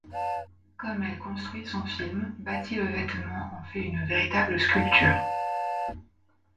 Comme elle construit son film, bâtit le vêtement en fait une véritable sculpture.